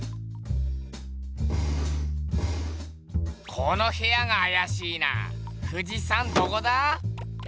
この部屋があやしいな富士山どこだ？